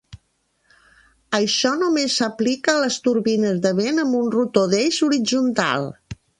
Això només s'aplica a les turbines de vent amb un rotor d'eix horitzontal.